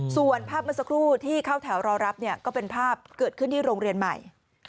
ส่วนภาพเมื่อสักครู่ที่เข้าแถวรอรับเนี่ยก็เป็นภาพเกิดขึ้นที่โรงเรียนใหม่